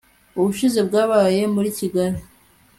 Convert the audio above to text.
Ubushize bwabaye muri kigali